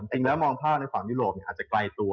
จริงแล้วมองภาพในฝั่งยุโรปอาจจะไกลตัว